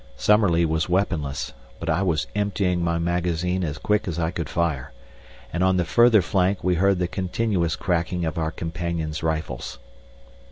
Summerlee was weaponless, but I was emptying my magazine as quick as I could fire, and on the further flank we heard the continuous cracking of our companion's rifles.